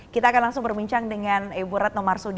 kita akan langsung berbincang dengan ibu retno marsudi